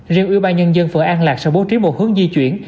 riêng ưu ba nhân dân phường an lạc sẽ bố trí một hướng di chuyển